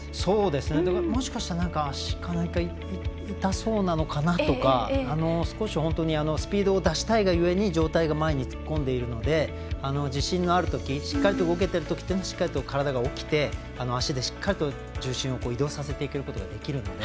もしかしたら、足か何か痛そうなのかなとか少しスピードを出したいがゆえに上体が前に突っ込んでいるので自信のあるときしっかりと動けているときはしっかり体が起きて足でしっかりと重心を移動させていくことができるので。